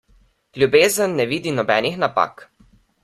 Ljubezen ne vidi nobenih napak.